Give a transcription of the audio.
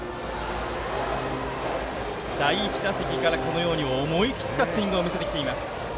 第１打席からこのように思い切ったスイングを見せてきています。